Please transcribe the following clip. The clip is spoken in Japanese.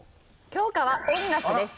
教科は音楽です。